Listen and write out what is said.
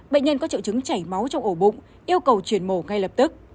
bệnh nhân có triệu chứng chảy máu trong ổ bụng yêu cầu chuyển mổ ngay lập tức